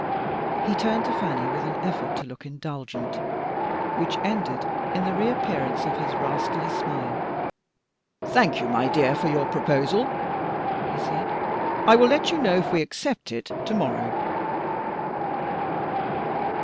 He turned to Fanny, with an effort to look indulgent, which ended in the reappearance of his rascally smile. "Thank you, my dear, for your proposal," he said; "I will let you know if we accept it, to morrow."